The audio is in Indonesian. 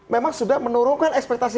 memang sudah menurunkan ekspektasi